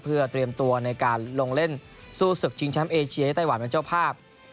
เพื่อเตรียมตัวในการลงเล่นสู้ศึกชิงแชมป์เอเชียให้ไต้หวันเป็นเจ้าภาพ